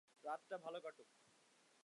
রাতটা ভালো কাটুক।